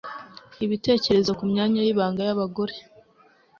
ibitkerezo ku myanya y'ibanga y'abagore